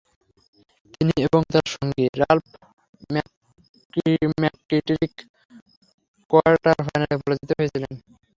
তিনি এবং তার সঙ্গী রাল্ফ ম্যাককিট্রিক কোয়ার্টার ফাইনালে পরাজিত হয়েছিলেন।